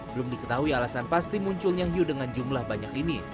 belum diketahui alasan pasti munculnya hiu dengan jumlah banyak ini